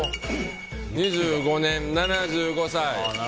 ２５年、７５歳。